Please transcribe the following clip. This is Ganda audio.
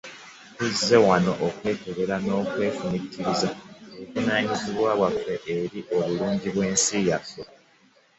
Tuzze wano okwekebera n'okwefumintiriza ku buvunaanyizibwa bwaffe eri obulungi bw'ensi yaffe